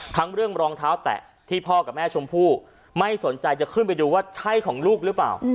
ทั้งเรื่องรองเท้าแตะที่พ่อกับแม่ชมพู่ไม่สนใจจะขึ้นไปดูว่าใช่ของลูกหรือเปล่า